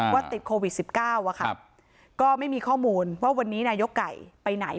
ว่าติดโควิดสิบเก้าอะค่ะครับก็ไม่มีข้อมูลว่าวันนี้นายกไก่ไปไหน